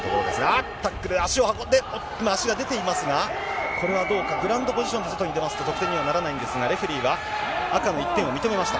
あっとタックル、足を運んで、今、足が出ていますが、これはどうか、グラウンドポジションで外に出ますと、得点にはならないんですが、レフリーは赤の１点を認めました。